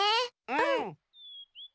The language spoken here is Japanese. うん。